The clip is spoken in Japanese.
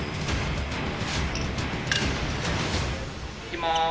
いきます。